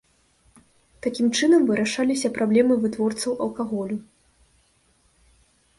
Такім чынам вырашаліся праблемы вытворцаў алкаголю.